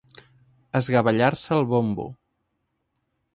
Esgavellar-se el bombo.